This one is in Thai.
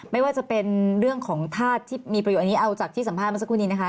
ไม่ว่าจะเป็นเรื่องของธาตุที่มีประโยชนอันนี้เอาจากที่สัมภาษเมื่อสักครู่นี้นะคะ